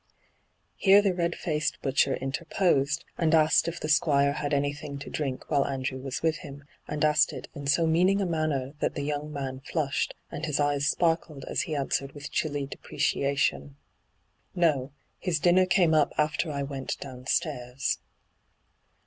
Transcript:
Here the red faced butcher interposed, and asked if the Squire had anything to drink while Andrew was with him, and asked it in so meaning a manner that the young man flushed, and his eyes sparkled as he answered with chilly depreciation ;' No. His dinner came up after I went downstairs.'